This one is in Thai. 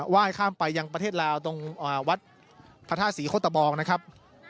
ว่ายข้ามไปยังประเทศลาวตรงวัดพระธาตุศรีโคตะบองนะครับ